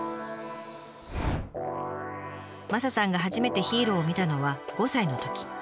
マサさんが初めてヒーローを見たのは５歳のとき。